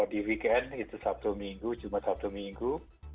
di weekend itu sabtu minggu jumat sabtu minggu